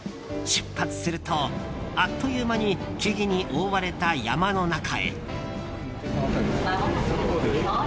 出発すると、あっという間に木々に覆われた山の中へ。